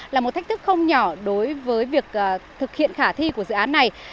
là một thách thức không nhỏ đối với việc thực hiện khả thi của dự án này